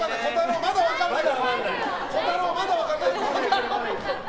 まだ分かんないよ！